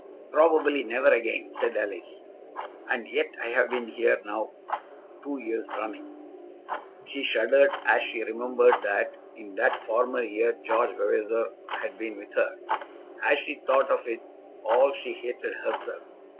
"Probably never again," said Alice. "And yet I have been here now two years running." She shuddered as she remembered that in that former year George Vavasor had been with her. As she thought of it all she hated herself.